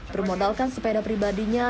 bermodalkan sepeda pribadinya